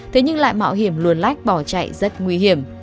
thế nhưng lại mạo hiểm luồn lách bỏ chạy rất nguy hiểm